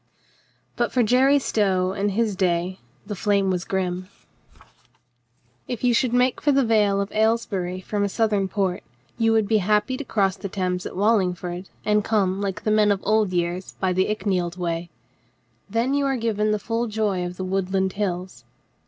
But for Jerry Stow and his day the fl,ame was grim. 7 8 COLONEL GREATHEART If you should make for the vale of Aylesbury from a southern port, you would be happy to cross the Thames at Wallingford and come like the men of old years by the Icknield Way. Then you are given the full joy of the woodland hills.